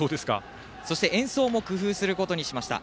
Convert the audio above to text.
そして演奏も工夫することにしました。